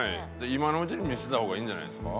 今のうちに見せといた方がいいんじゃないですか？